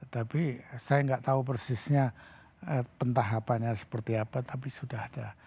tapi saya nggak tahu persisnya pentahapannya seperti apa tapi sudah ada